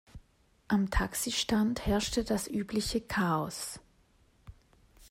Am Taxistand herrschte das übliche Chaos.